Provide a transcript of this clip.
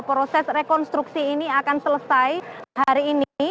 proses rekonstruksi ini akan selesai hari ini